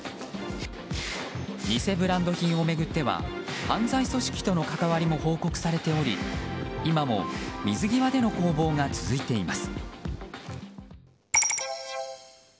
偽ブランド品を巡っては犯罪組織との関わりも報告されており今も水際での攻防が続いています。